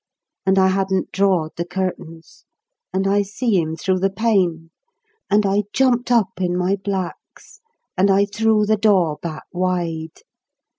And I hadn't drawed the curtains, and I see him through the pane ; And I jumped up in my blacks and I threw the door back wide.